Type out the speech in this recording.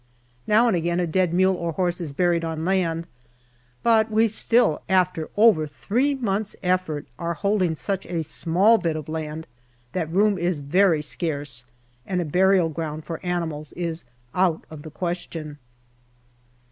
Now and again a dead mule or horse is buried on land, but we still, after over three months' effort, are holding such a small bit of land that room is very scarce and a burial ground for animals is out of the question.